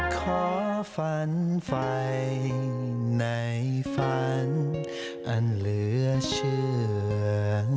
ขอฝันไฟในฝันอันเหลือเชื่อง